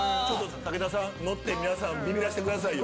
武田さん乗って皆さんビビらせてくださいよ。